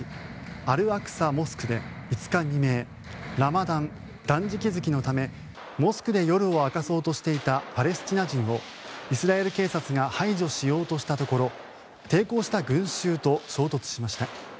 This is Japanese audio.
アルアクサモスクで５日未明ラマダン、断食月のためモスクで夜を明かそうとしていたパレスチナ人をイスラエル警察が排除しようとしたところ抵抗した群衆と衝突しました。